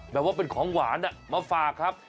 แบบว่าเป็นของหวานมาฝากครับ